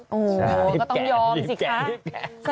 โอ้โหก็ต้องยอมสิคะ